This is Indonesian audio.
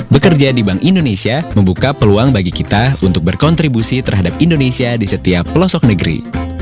bekerja di bank indonesia membuka peluang bagi kita untuk berkontribusi terhadap indonesia di setiap pelosok negeri